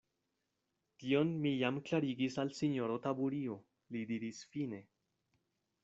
Tion mi jam klarigis al sinjoro Taburio, li diris fine.